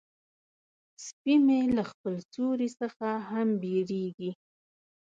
سپي مې له خپل سیوري څخه هم بیریږي.